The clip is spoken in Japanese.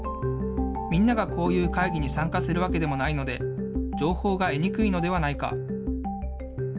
みんながこういう会議に参加するわけでもないので、情報が得にくいのではないか。